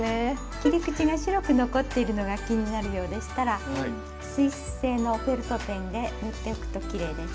切り口が白く残っているのが気になるようでしたら水性のフェルトペンで塗っておくときれいです。